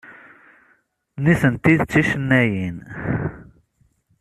Nitenti d ticennayin.